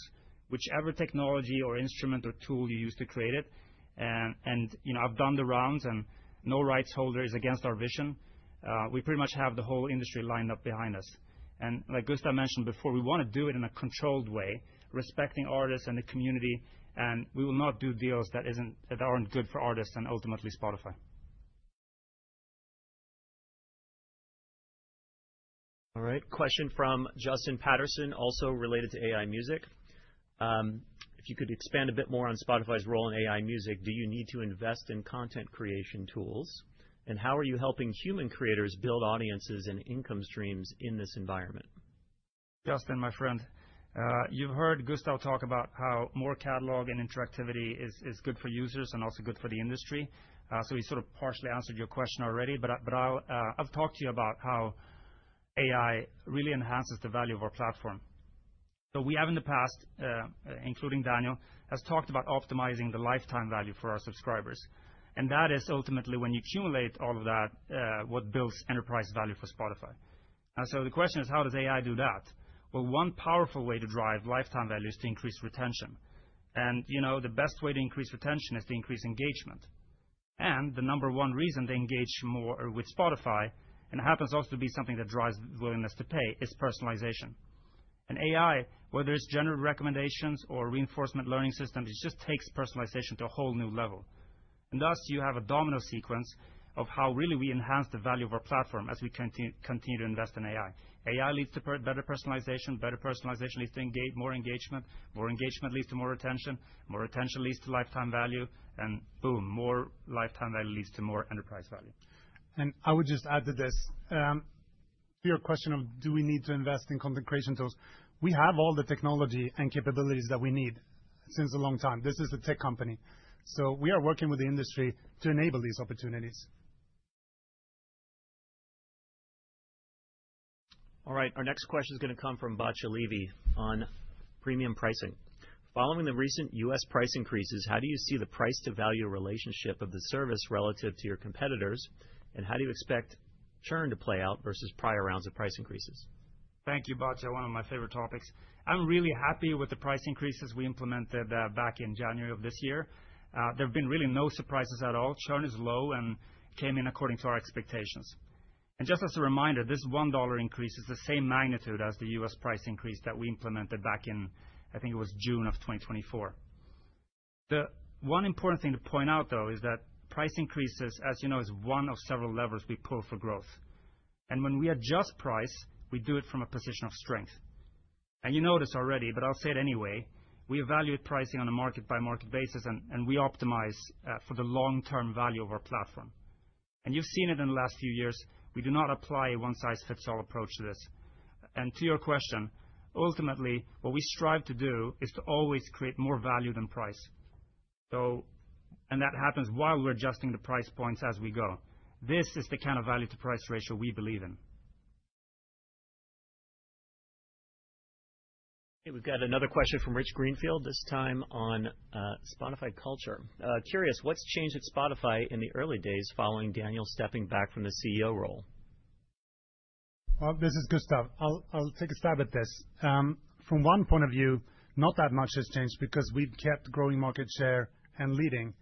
whichever technology or instrument or tool you use to create it. And you know, I've done the rounds, and no rights holder is against our vision. We pretty much have the whole industry lined up behind us. Like Gustav mentioned before, we wanna do it in a controlled way, respecting artists and the community, and we will not do deals that aren't good for artists and ultimately Spotify. All right. Question from Justin Patterson, also related to AI music. If you could expand a bit more on Spotify's role in AI music, do you need to invest in content creation tools? And how are you helping human creators build audiences and income streams in this environment? Justin, my friend, you've heard Gustav talk about how more catalog and interactivity is good for users and also good for the industry. So he sort of partially answered your question already, but I'll, I've talked to you about how AI really enhances the value of our platform. So we have in the past, including Daniel, has talked about optimizing the Lifetime Value for our subscribers, and that is ultimately when you accumulate all of that, what builds enterprise value for Spotify. And so the question is: How does AI do that? Well, one powerful way to drive Lifetime Value is to increase retention. And, you know, the best way to increase retention is to increase engagement. And the number one reason they engage more with Spotify, and happens also to be something that drives willingness to pay, is personalization. And AI, whether it's general recommendations or reinforcement learning systems, it just takes personalization to a whole new level. And thus, you have a domino sequence of how really we enhance the value of our platform as we continue to invest in AI. AI leads to better personalization, better personalization leads to more engagement, more engagement leads to more retention, more retention leads to lifetime value, and boom, more lifetime value leads to more enterprise value. I would just add to this, to your question of, do we need to invest in content creation tools? We have all the technology and capabilities that we need since a long time. This is a tech company, so we are working with the industry to enable these opportunities. All right, our next question is going to come from Batya Levi on premium pricing. Following the recent U.S. price increases, how do you see the price to value relationship of the service relative to your competitors, and how do you expect churn to play out versus prior rounds of price increases? Thank you, Batya, one of my favorite topics. I'm really happy with the price increases we implemented back in January of this year. There have been really no surprises at all. Churn is low and came in according to our expectations. And just as a reminder, this $1 increase is the same magnitude as the U.S. price increase that we implemented back in, I think it was June of 2024. The one important thing to point out, though, is that price increases, as you know, is one of several levers we pull for growth, and when we adjust price, we do it from a position of strength. And you know this already, but I'll say it anyway, we evaluate pricing on a market-by-market basis, and we optimize for the long-term value of our platform. You've seen it in the last few years, we do not apply a one-size-fits-all approach to this. To your question, ultimately, what we strive to do is to always create more value than price. So... that happens while we're adjusting the price points as we go. This is the kind of value to price ratio we believe in. Okay, we've got another question from Rich Greenfield, this time on Spotify culture. Curious, what's changed at Spotify in the early days following Daniel stepping back from the CEO role? Well, this is Gustav. I'll take a stab at this. From one point of view, not that much has changed because we've kept growing market share and leading.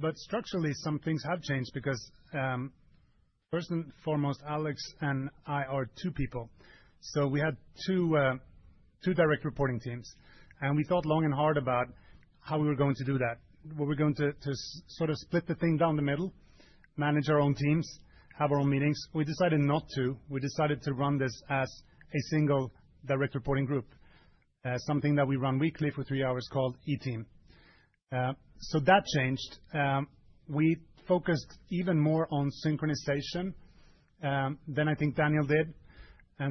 But structurally, some things have changed because, first and foremost, Alex and I are two people. So we had two, two direct reporting teams, and we thought long and hard about how we were going to do that. Were we going to, to sort of split the thing down the middle, manage our own teams, have our own meetings? We decided not to. We decided to run this as a single direct reporting group. Something that we run weekly for three hours called E-team. So that changed. We focused even more on synchronization, than I think Daniel did.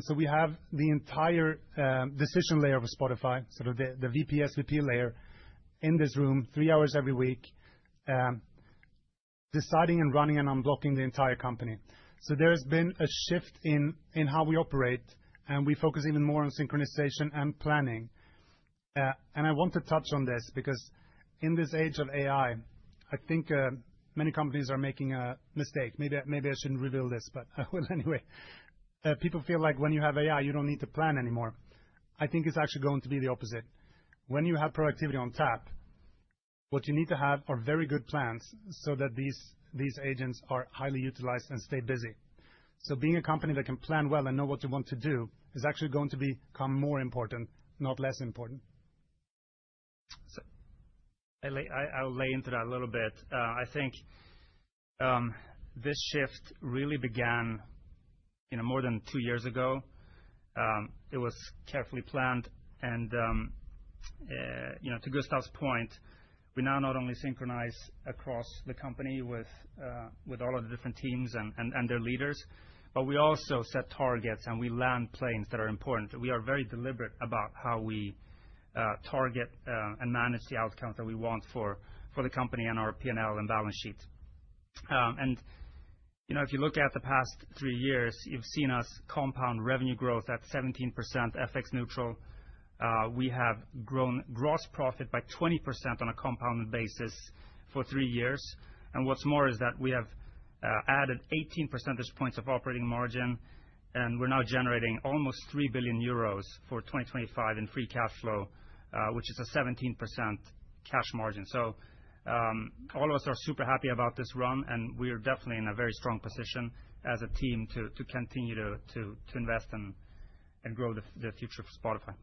So we have the entire decision layer of Spotify, sort of the VP, SVP layer in this room, three hours every week, deciding and running and unblocking the entire company. There has been a shift in how we operate, and we focus even more on synchronization and planning. I want to touch on this, because in this age of AI, I think many companies are making a mistake. Maybe, maybe I shouldn't reveal this, but I will anyway. People feel like when you have AI, you don't need to plan anymore. I think it's actually going to be the opposite. When you have productivity on tap, what you need to have are very good plans so that these agents are highly utilized and stay busy. Being a company that can plan well and know what you want to do, is actually going to become more important, not less important. So I, I'll lay into that a little bit. I think, this shift really began, you know, more than two years ago. It was carefully planned, and, you know, to Gustav's point, we now not only synchronize across the company with, with all of the different teams and, and, and their leaders, but we also set targets, and we land planes that are important. We are very deliberate about how we, target, and manage the outcome that we want for, for the company and our P&L and balance sheet. And, you know, if you look at the past three years, you've seen us compound revenue growth at 17% FX neutral. We have grown gross profit by 20% on a compounded basis for three years. What's more is that we have added 18 percentage points of operating margin, and we're now generating almost 3 billion euros for 2025 in free cash flow, which is a 17% cash margin. All of us are super happy about this run, and we are definitely in a very strong position as a team to continue to invest and grow the future of Spotify.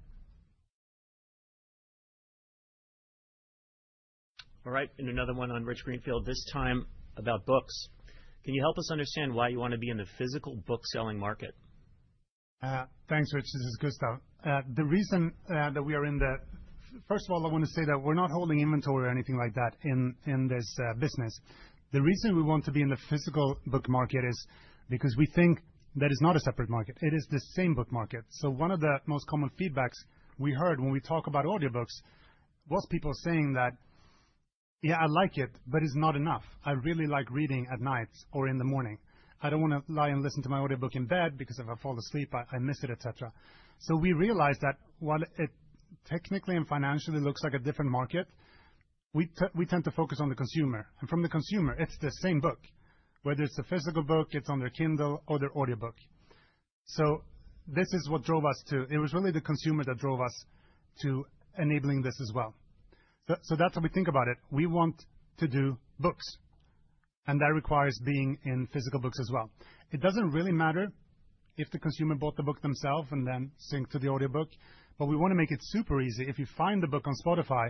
All right, and another one on Rich Greenfield, this time about books. Can you help us understand why you want to be in the physical book-selling market? Thanks, Rich. This is Gustav. The reason that we are in the— First of all, I want to say that we're not holding inventory or anything like that in this business. The reason we want to be in the physical book market is because we think that it's not a separate market, it is the same book market. So one of the most common feedbacks we heard when we talk about audiobooks was people saying that, "Yeah, I like it, but it's not enough. I really like reading at night or in the morning. I don't want to lie and listen to my audiobook in bed, because if I fall asleep, I miss it, et cetera." So we realized that while it technically and financially looks like a different market, we tend to focus on the consumer, and from the consumer, it's the same book, whether it's a physical book, it's on their Kindle or their audiobook. So this is what drove us to... It was really the consumer that drove us to enabling this as well. So that's how we think about it. We want to do books, and that requires being in physical books as well. It doesn't really matter if the consumer bought the book themselves and then sync to the audiobook, but we want to make it super easy. If you find the book on Spotify,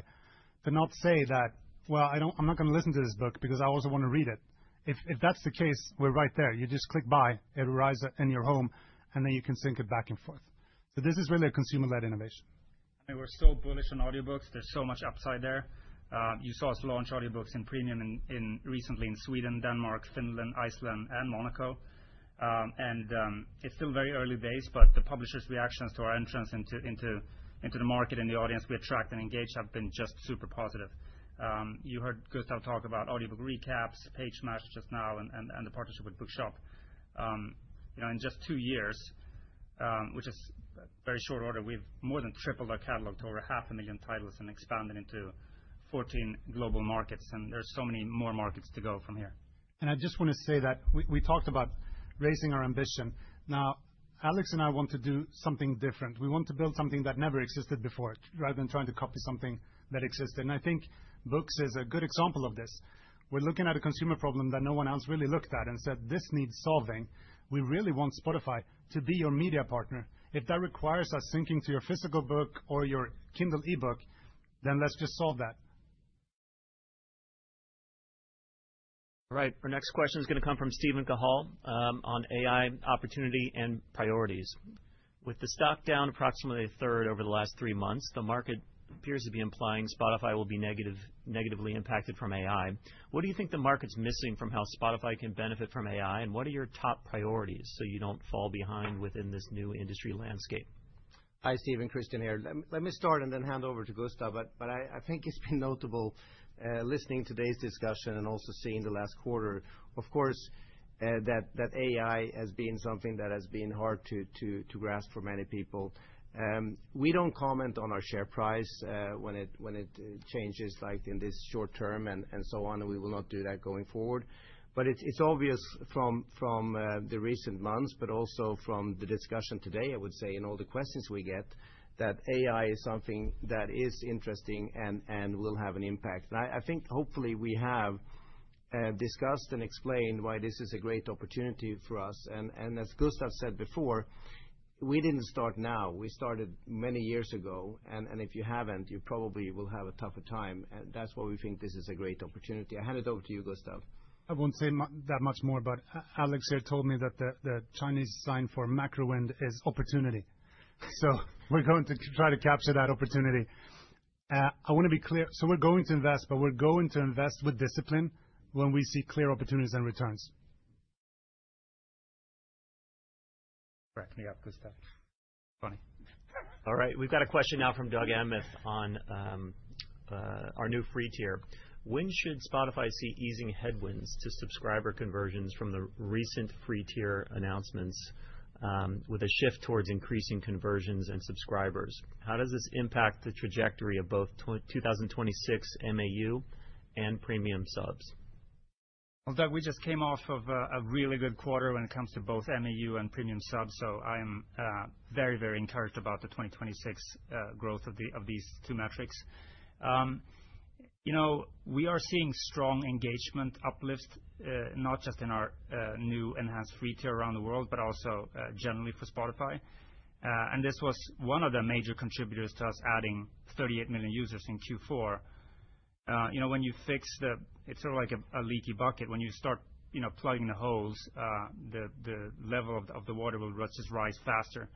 do not say that, "Well, I'm not going to listen to this book because I also want to read it." If that's the case, we're right there. You just click buy, it arrives in your home, and then you can sync it back and forth. So this is really a consumer-led innovation. We're still bullish on audiobooks. There's so much upside there. You saw us launch audiobooks in Premium recently in Sweden, Denmark, Finland, Iceland, and Monaco. It's still very early days, but the publishers' reactions to our entrance into the market and the audience we attract and engage have been just super positive. You heard Gustav talk about audiobook recaps, Page Match now and the partnership with Bookshop. You know, in just two years, which is a very short order, we've more than tripled our catalog to over 500,000 titles and expanded into 14 global markets, and there are so many more markets to go from here. I just want to say that we talked about raising our ambition. Now, Alex and I want to do something different. We want to build something that never existed before, rather than trying to copy something that existed. And I think books is a good example of this. We're looking at a consumer problem that no one else really looked at and said, "This needs solving." We really want Spotify to be your media partner. If that requires us syncing to your physical book or your Kindle eBook, then let's just solve that. All right, our next question is going to come from Steven Cahall on AI opportunity and priorities. With the stock down approximately a third over the last three months, the market appears to be implying Spotify will be negatively impacted from AI. What do you think the market's missing from how Spotify can benefit from AI, and what are your top priorities so you don't fall behind within this new industry landscape? Hi, Steven. Christian here. Let me start and then hand over to Gustav, but I think it's been notable, listening to today's discussion and also seeing the last quarter. Of course, that AI has been something that has been hard to grasp for many people. We don't comment on our share price, when it changes, like in this short term and so on, we will not do that going forward. But it's obvious from the recent months, but also from the discussion today, I would say, in all the questions we get, that AI is something that is interesting and will have an impact. And I think, hopefully, we have discussed and explained why this is a great opportunity for us. And as Gustav said before, we didn't start now, we started many years ago, and if you haven't, you probably will have a tougher time. And that's why we think this is a great opportunity. I hand it over to you, Gustav. I won't say that much more, but Alex here told me that the Chinese sign for macro wind is opportunity. So we're going to try to capture that opportunity. I wanna be clear, so we're going to invest, but we're going to invest with discipline when we see clear opportunities and returns. Right. Yeah, Gustav. Funny. All right, we've got a question now from Doug Anmuth on our new free tier. When should Spotify see easing headwinds to subscriber conversions from the recent free tier announcements, with a shift towards increasing conversions and subscribers? How does this impact the trajectory of both 2026 MAU and Premium subs? Well, Doug, we just came off of a really good quarter when it comes to both MAU and Premium subs, so I'm very, very encouraged about the 2026 growth of these two metrics. You know, we are seeing strong engagement uplifts, not just in our new enhanced free tier around the world, but also generally for Spotify. And this was one of the major contributors to us adding 38 million users in Q4. You know, when you fix the. It's sort of like a leaky bucket. When you start, you know, plugging the holes, the level of the water will just rise faster.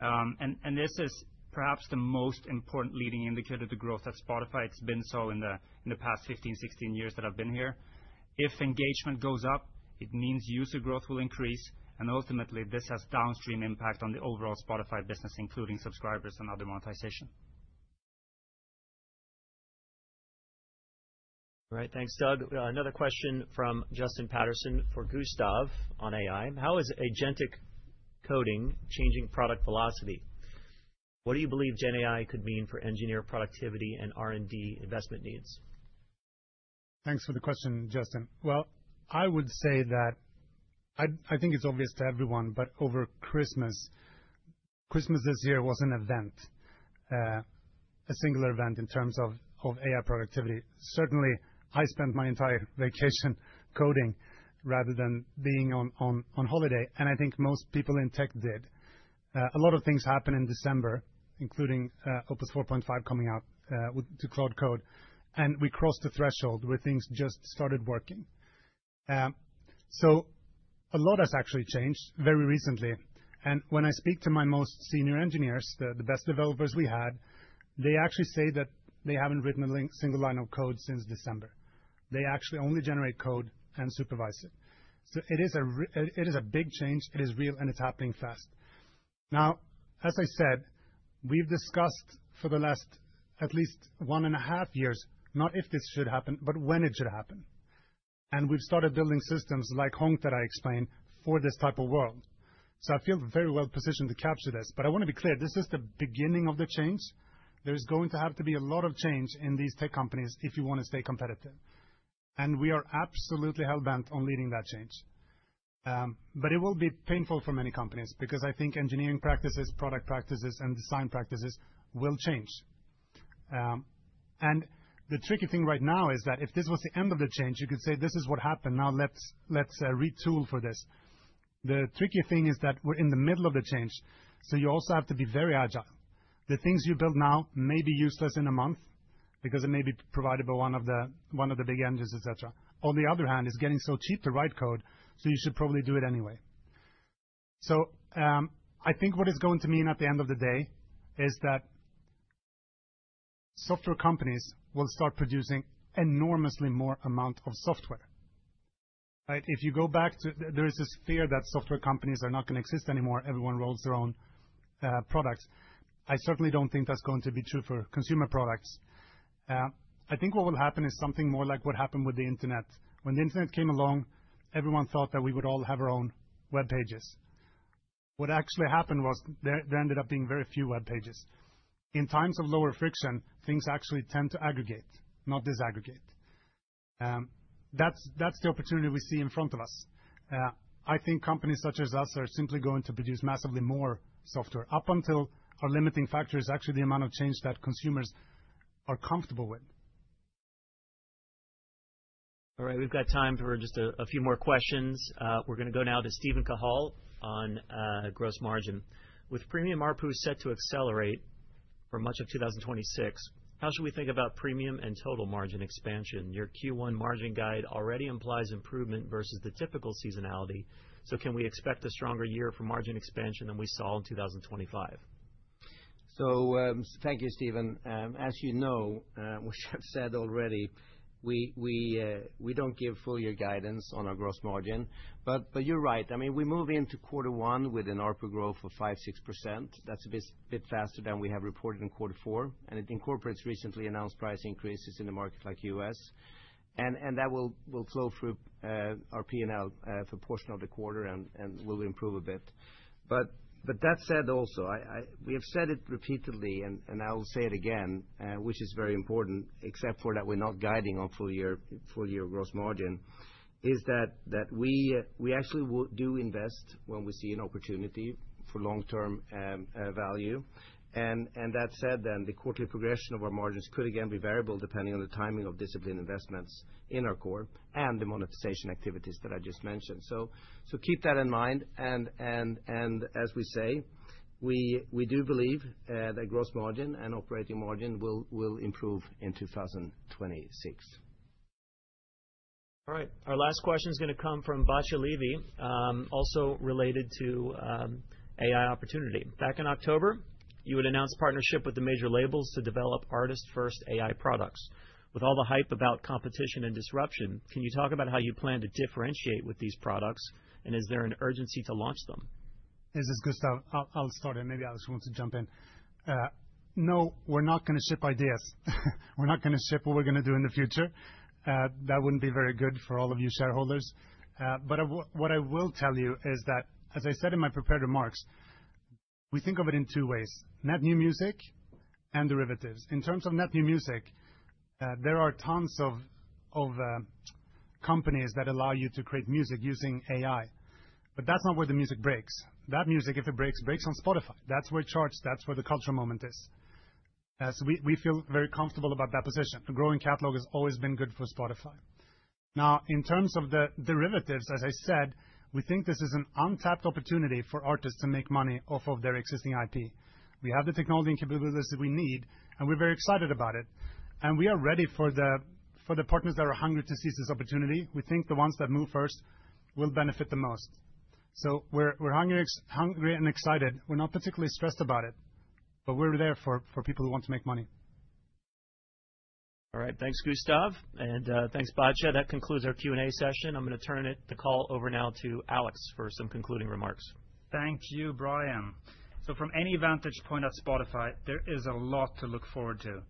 And this is perhaps the most important leading indicator to growth at Spotify. It's been so in the past 15, 16 years that I've been here. If engagement goes up, it means user growth will increase, and ultimately, this has downstream impact on the overall Spotify business, including subscribers and other monetization. All right. Thanks, Doug. Another question from Justin Patterson for Gustav on AI: How is agentic coding changing product velocity? What do you believe GenAI could mean for engineer productivity and R&D investment needs? Thanks for the question, Justin. Well, I would say that I, I think it's obvious to everyone, but over Christmas, Christmas this year was an event, a singular event in terms of AI productivity. Certainly, I spent my entire vacation coding rather than being on holiday, and I think most people in tech did. A lot of things happened in December, including, Opus 4.5 coming out, with the Claude Code, and we crossed the threshold where things just started working. So a lot has actually changed very recently, and when I speak to my most senior engineers, the best developers we had, they actually say that they haven't written a single line of code since December. They actually only generate code and supervise it. It is a big change, it is real, and it's happening fast. Now, as I said, we've discussed for the last, at least one a half years, not if this should happen, but when it should happen. We've started building systems like Honk, I explained, for this type of world. I feel very well positioned to capture this. I wanna be clear, this is the beginning of the change. There is going to have to be a lot of change in these tech companies if you wanna stay competitive, and we are absolutely hell-bent on leading that change. It will be painful for many companies, because I think engineering practices, product practices, and design practices will change. And the tricky thing right now is that if this was the end of the change, you could say, this is what happened, now let's, let's, retool for this. The tricky thing is that we're in the middle of the change, so you also have to be very agile. The things you build now may be useless in a month, because it may be provided by one of the, one of the big engines, et cetera. On the other hand, it's getting so cheap to write code, so you should probably do it anyway. So, I think what it's going to mean at the end of the day is that software companies will start producing enormously more amount of software, right? If you go back to. There is this fear that software companies are not gonna exist anymore, everyone rolls their own products. I certainly don't think that's going to be true for consumer products. I think what will happen is something more like what happened with the Internet. When the Internet came along, everyone thought that we would all have our own web pages. What actually happened was there ended up being very few web pages. In times of lower friction, things actually tend to aggregate, not disaggregate. That's the opportunity we see in front of us. I think companies such as us are simply going to produce massively more software, up until our limiting factor is actually the amount of change that consumers are comfortable with. All right, we've got time for just a, a few more questions. We're gonna go now to Steven Cahall on gross margin. With premium ARPU set to accelerate for much of 2026, how should we think about premium and total margin expansion? Your Q1 margin guide already implies improvement versus the typical seasonality, so can we expect a stronger year for margin expansion than we saw in 2025? So, thank you, Steven. As you know, which I've said already, we don't give full year guidance on our Gross Margin. But you're right. I mean, we move into quarter one with an ARPA growth of 5%-6%. That's a bit faster than we have reported in quarter four, and it incorporates recently announced price increases in the market like U.S. and that will flow through our P&L for portion of the quarter and will improve a bit. But that said, we have said it repeatedly, and I will say it again, which is very important, except for that we're not guiding on full year, full year Gross Margin, is that we actually do invest when we see an opportunity for long-term value. That said, the quarterly progression of our margins could again be variable, depending on the timing of disciplined investments in our core and the monetization activities that I just mentioned. So keep that in mind, and as we say, we do believe that gross margin and operating margin will improve in 2026. All right, our last question is going to come from Batya Levi. Also related to AI opportunity. Back in October, you had announced partnership with the major labels to develop artist-first AI products. With all the hype about competition and disruption, can you talk about how you plan to differentiate with these products, and is there an urgency to launch them? This is Gustav. I'll start, and maybe Alex wants to jump in. No, we're not going to ship ideas. We're not going to ship what we're going to do in the future. That wouldn't be very good for all of you shareholders. But what I will tell you is that, as I said in my prepared remarks, we think of it in two ways: net new music and derivatives. In terms of net new music, there are tons of companies that allow you to create music using AI, but that's not where the music breaks. That music, if it breaks, breaks on Spotify, that's where it charts, that's where the cultural moment is. So we feel very comfortable about that position. A growing catalog has always been good for Spotify. Now, in terms of the derivatives, as I said, we think this is an untapped opportunity for artists to make money off of their existing IP. We have the technology and capabilities that we need, and we're very excited about it, and we are ready for the partners that are hungry to seize this opportunity. We think the ones that move first will benefit the most. So we're hungry and excited. We're not particularly stressed about it, but we're there for people who want to make money. All right. Thanks, Gustav, and thanks, Batya. That concludes our Q&A session. I'm going to turn the call over now to Alex for some concluding remarks. Thank you, Bryan. From any vantage point at Spotify, there is a lot to look forward to.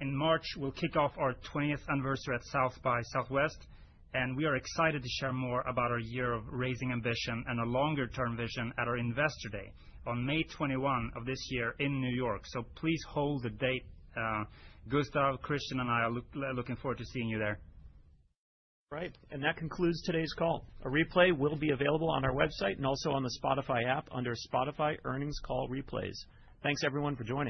In March, we'll kick off our 20th anniversary at South by Southwest, and we are excited to share more about our year of raising ambition and a longer-term vision at our Investor Day on May 21 of this year in New York. Please hold the date. Gustav, Christian, and I are looking forward to seeing you there. Right. That concludes today's call. A replay will be available on our website and also on the Spotify app under Spotify Earnings Call Replays. Thanks, everyone, for joining.